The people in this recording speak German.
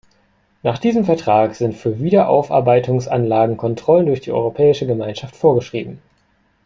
Nach diesem Vertrag sind für Wiederaufarbeitungsanlagen Kontrollen durch die Europäische Gemeinschaft vorgeschrieben.